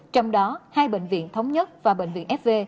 trong đó hai bệnh viện thống nhất và bệnh viện fv